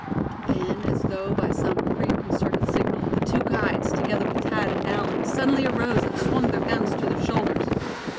Then, as though by some preconcerted signal, the two guides, together with Thad and Allan, suddenly arose, and swung their guns to their shoulders.